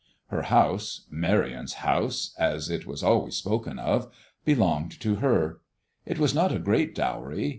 Her house "Marion's house," as it was always spoken of belonged to her. It was not a great dowry.